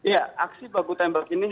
ya aksi baku tembak ini